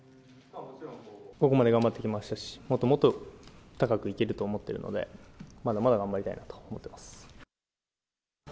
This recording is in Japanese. ここまで頑張ってきましたし、もっともっと高くいけると思っているので、まだまだ頑張りたいなと思ってます。